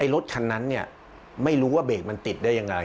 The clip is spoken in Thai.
รถคันนั้นไม่รู้ว่าเบรกมันติดได้ยังไง